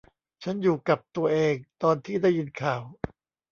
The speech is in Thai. ฉันอยู่กับตัวเองตอนที่ได้ยินข่าว